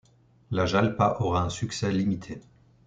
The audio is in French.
La Jalpa aura un succès limité.